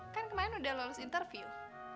kan kemarin udah lolos interview